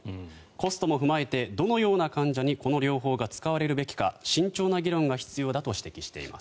コストも踏まえてどのような患者にこの療法が使われるべきか慎重な議論が必要だとしています。